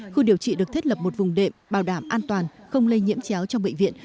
khu điều trị được thiết lập một vùng đệm bảo đảm an toàn không lây nhiễm chéo trong bệnh viện